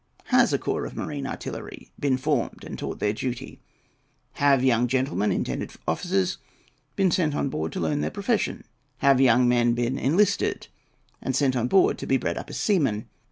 Has a corps of marine artillery been formed and taught their duty? Have young gentlemen intended for officers been sent on board to learn their profession? Have young men been enlisted and sent on board to be bred up as seamen?